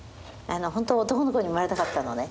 本当は男の子に生まれたかったのね。